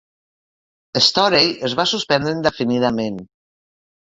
Storey es va suspendre indefinidament.